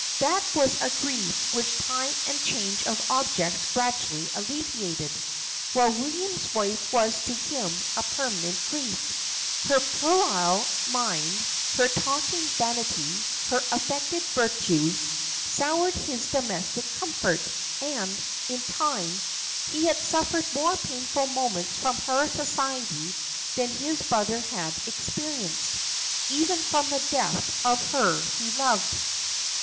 That was a grief which time and change of objects gradually alleviated; while William's wife was to him a permanent grief, her puerile mind, her talking vanity, her affected virtues, soured his domestic comfort, and, in time, he had suffered more painful moments from her society than his brother had experienced, even from the death of her he loved.